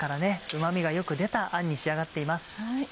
うま味がよく出たあんに仕上がっています。